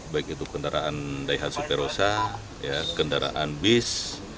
baik itu kendaraan daihatsu perusa kendaraan bis